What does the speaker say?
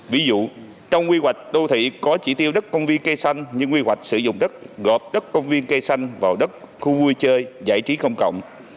ví dụ trong quy hoạch đô thị có chỉ tiêu đất công viên cây xanh như quy hoạch sử dụng đất gộp đất công viên cây xanh vào đất khu vui chơi giải trí công cộng